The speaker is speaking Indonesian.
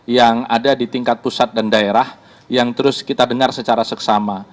yang ada di tingkat pusat dan daerah yang terus kita dengar secara seksama